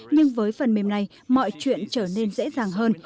nhưng với phần mềm này mọi chuyện trở nên dễ dàng hơn